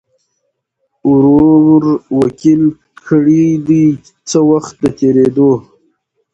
ورور وکیل کړي دی څه وخت د تېریدو